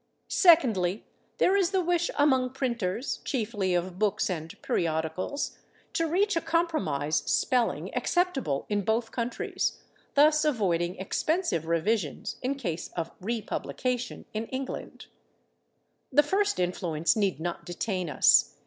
Secondly, there is the wish among printers, chiefly of books and periodicals, to reach a compromise spelling acceptable in both countries, thus avoiding expensive revisions in case of republication in England. [Pg259] The first influence need not detain us.